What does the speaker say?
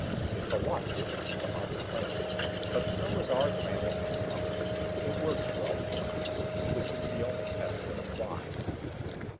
It's a lot different from other planets, but so is our planet Anvhar. It works well for us, which is the only test that applies."